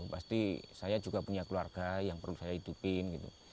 pasti saya juga punya keluarga yang perlu saya hidupin gitu